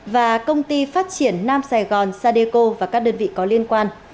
và công ty phát triển nam sài gòn sadeco và các đơn vị có liên quan